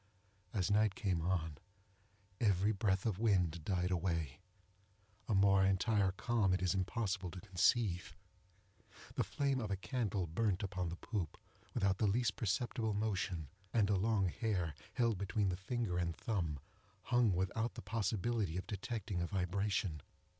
As night came on, every breath of wind died away, an more entire calm it is impossible to conceive. The flame of a candle burned upon the poop without the least perceptible motion, and a long hair, held between the finger and thumb, hung without the possibility of detecting a vibration.